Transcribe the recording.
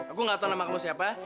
aku nggak tahu nama kamu siapa